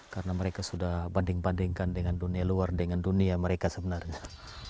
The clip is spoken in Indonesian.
karena mereka sudah banding bandingkan dengan dunia luar dengan dunia mereka sebenarnya